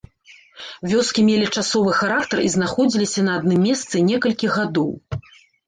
Вёскі мелі часовы характар і знаходзіліся на адным месцы некалькі гадоў.